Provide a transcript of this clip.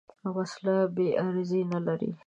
وسله بېغرضي نه لري